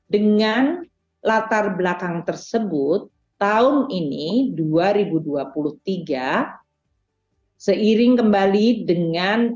dengan latar belakang tersebut tahun ini dua ribu dua puluh tiga seiring kembali dengan